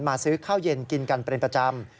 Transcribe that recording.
ซื้อข้าวเย็นกินกันเป็นประจำ